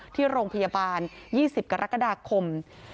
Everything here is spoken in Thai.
ที่โรงพยาบาล๒๐กรกฎาคม